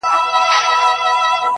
چي قاضي څه کوي زه ډېر په شرمېږم,